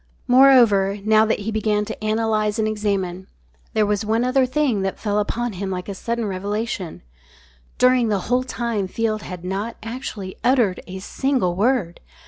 Moreover, now that he began to analyse and examine, there was one other thing that fell upon him like a sudden revelation: _During the whole time Field had not actually uttered a single word!